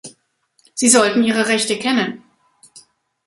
Sie sollten Ihre Rechte kennen.